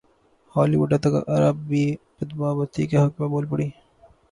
Holi would اداکارہ بھی پدماوتی کے حق میں بول پڑیں